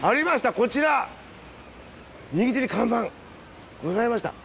こちら右手に看板ございました。